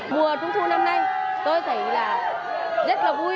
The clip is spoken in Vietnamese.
mùa trung thu năm nay tôi thấy là rất là vui